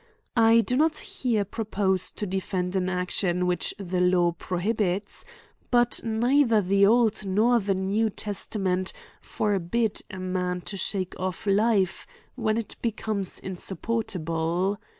I do not here propose to defend an action which the law prohibits ; but neither the old nor new testament forbid a man to shake offlife, when it becomes insupportable.